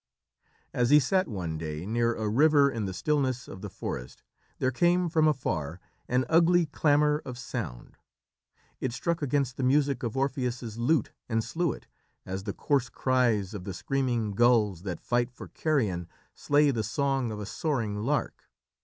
As he sat one day near a river in the stillness of the forest, there came from afar an ugly clamour of sound. It struck against the music of Orpheus' lute and slew it, as the coarse cries of the screaming gulls that fight for carrion slay the song of a soaring lark.